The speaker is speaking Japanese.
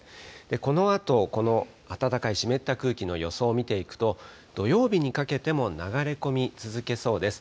このあと、この暖かい湿った空気の予想を見ていくと、土曜日にかけても流れ込み続けそうです。